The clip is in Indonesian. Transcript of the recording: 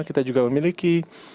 kita juga memiliki